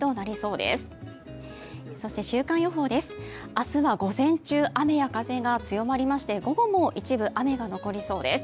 明日は午前中、雨や風が強まりまして午後も一部雨が残りそうです。